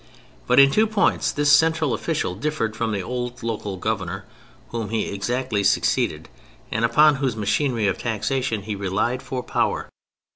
But in two points this central official differed from the old local Governor whom he exactly succeeded, and upon whose machinery of taxation he relied for power.